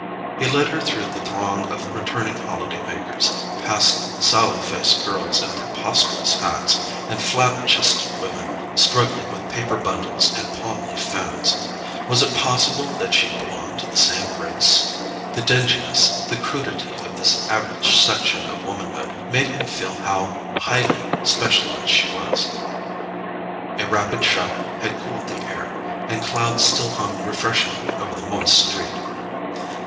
He led her through the throng of returning holiday makers, past sallow faced girls in preposterous hats, and flat chested women struggling with paper bundles and palm leaf fans. Was it possible that she belonged to the same race? The dinginess, the crudity of this average section of womanhood made him feel how highly specialized she was. A rapid shower had cooled the air, and clouds still hung refreshingly over the moist street.